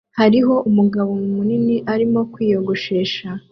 Hariho umugabo munini arimo kwiyogoshesha